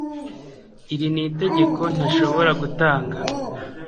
iri ni itegeko ntashobora gutanga